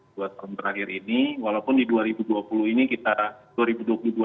buat tahun terakhir ini walaupun di dua ribu dua puluh ini kita